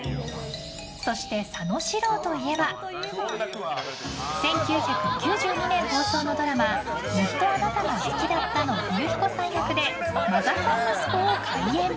そして、佐野史郎といえば１９９２年放送のドラマ「ずっとあなたが好きだった」の冬彦さん役でマザコン息子を怪演。